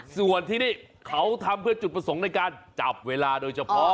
ส่วนที่นี่เขาทำเพื่อจุดประสงค์ในการจับเวลาโดยเฉพาะ